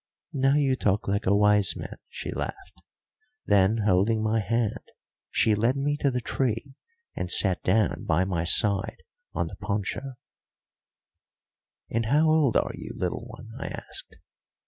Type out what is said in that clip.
"Now you talk like a wise man," she laughed; then, holding my hand, she led me to the tree and sat down by my side on the poncho. "And how old are you, little one?" I asked.